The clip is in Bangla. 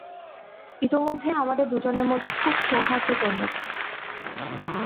ইতোমধ্যেই আমাদের দুজনের মধ্যে খুব সৌহার্দ্য জন্মেছে।